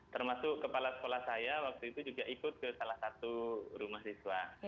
termasuk kepala sekolah saya waktu itu juga ikut ke salah satu rumah siswa